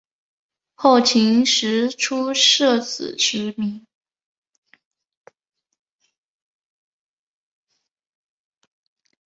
后秦时初设此职名。